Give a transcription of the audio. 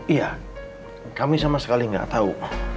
iya kami sama sekali gak tau